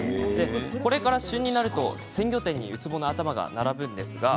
これから旬になると鮮魚店にウツボの頭が並びます。